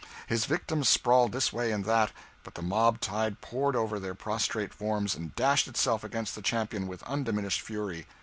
His victims sprawled this way and that, but the mob tide poured over their prostrate forms and dashed itself against the champion with undiminished fury.